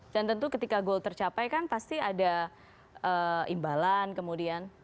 dan tentu ketika goal tercapai kan pasti ada imbalan kemudian